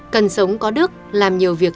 cần sống có đức làm nhiều việc